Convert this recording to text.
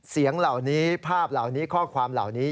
เสียงเหล่านี้ภาพเหล่านี้ข้อความเหล่านี้